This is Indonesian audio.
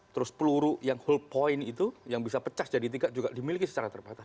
terus peluru yang whole point itu yang bisa pecah jadi tiga juga dimiliki secara terbatas